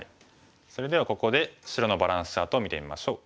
それではここで白のバランスチャートを見てみましょう。